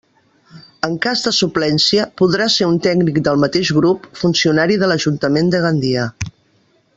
En cas de suplència, podrà ser un tècnic del mateix grup, funcionari de l'Ajuntament de Gandia.